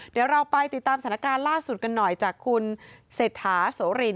เดี๋ยวเราไปติดตามสถานการณ์ล่าสุดกันหน่อยจากคุณเศรษฐาโสริน